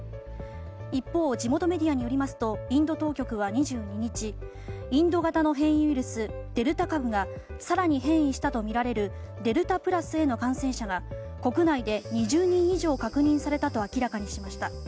一方、地元メディアによりますとインド当局は２２日インド型の変異ウイルスデルタ株が更に変異したとみられるデルタプラスへの感染者が国内で２０人以上確認されたと明らかにしました。